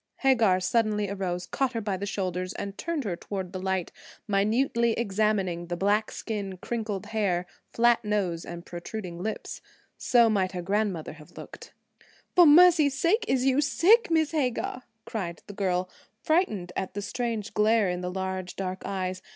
Hagar suddenly arose, caught her by the shoulders and turned her toward the light, minutely examining the black skin, crinkled hair, flat nose and protruding lips. So might her grandmother have looked. "Fo' mercy sake, is you sick, Miss Hagar?" cried the girl, frightened at the strange glare in the large dark eyes.